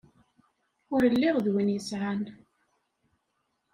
Ur lliɣ d win yesεan.